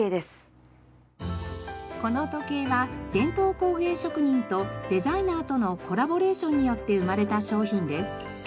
この時計は伝統工芸職人とデザイナーとのコラボレーションによって生まれた商品です。